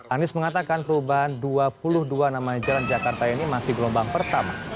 anies mengatakan perubahan dua puluh dua nama jalan jakarta ini masih gelombang pertama